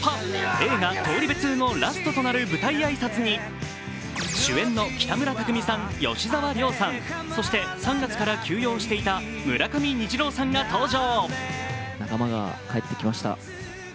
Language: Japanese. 映画「東リベ２」のラストとなる舞台挨拶に主演の北村匠海さん、吉沢亮さん、そして３月から休業していた村上虹郎さんが登場。